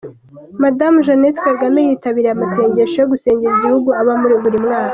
Madamu Jeannette Kagame yitabiriye amasengesho yo gusengera iki igihugu aba buri mwaka.